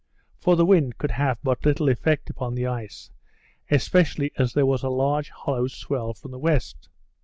For the wind could have but little effect upon the ice; especially as there was a large hollow swell from the west.